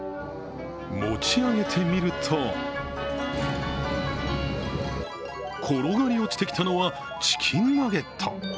持ち上げてみると転がり落ちてきたのはチキンナゲット。